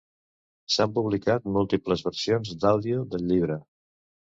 S'han publicat múltiples versions d'àudio del llibre.